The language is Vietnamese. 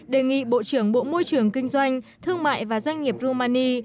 đề nghị bộ trưởng bộ môi trường kinh doanh thương mại và doanh nghiệp rumani